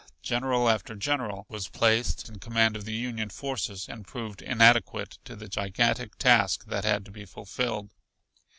General after general was placed in command of the Union forces and proved inadequate to the gigantic task that had to be fulfilled.